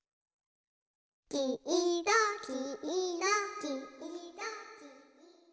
きいろきいろきいろ。